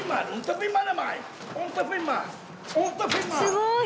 すごい！